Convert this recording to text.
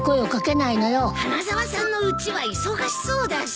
花沢さんのうちは忙しそうだし。